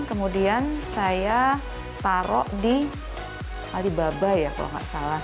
kemudian saya taruh di alibaba ya kalau nggak salah